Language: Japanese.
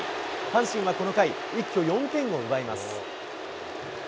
阪神はこの回、一挙４点を奪います。